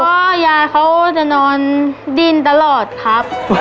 ก็ยายเขาจะนอนดินตลอดครับ